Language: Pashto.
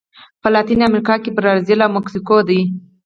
په لاتینه امریکا کې برازیل او مکسیکو دي.